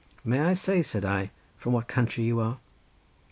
"May I ask," said I, "from what country you are?"